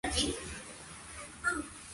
Domingo Patrón fue un emprendedor.